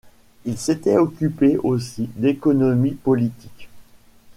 Il s’était occupé aussi d’économie politique.